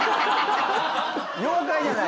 妖怪じゃない。